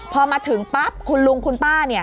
พอมาถึงปั๊บคุณลุงคุณป้า